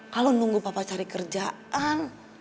kalau nunggu papa cari kerjaan